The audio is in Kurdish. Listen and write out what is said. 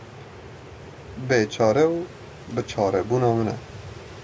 Bêçare û biçarebûna min e.